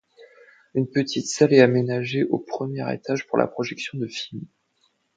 Une petite salle est aménagée, au premier étage, pour la projection de films.